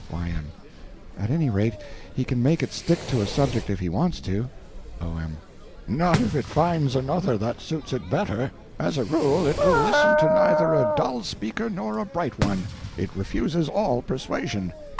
Y.M. At any rate, he can make it stick to a subject if he wants to. O.M. Not if it find another that suits it better. As a rule it will listen to neither a dull speaker nor a bright one. It refuses all persuasion.